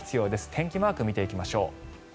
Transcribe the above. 天気マーク見ていきましょう。